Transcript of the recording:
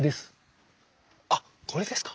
あっこれですか。